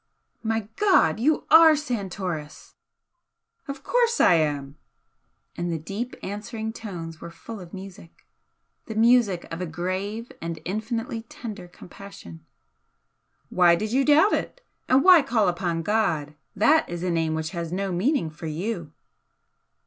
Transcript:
"My God! You ARE Santoris!" "Of course I am!" And the deep answering tones were full of music, the music of a grave and infinitely tender compassion "Why did you doubt it? And why call upon God? That is a name which has no meaning for you."